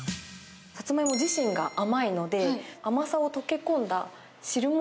サツマイモ自身が甘いので甘さが溶け込んだ汁物。